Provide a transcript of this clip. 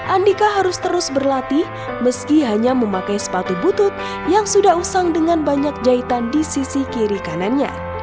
andika harus terus berlatih meski hanya memakai sepatu butut yang sudah usang dengan banyak jahitan di sisi kiri kanannya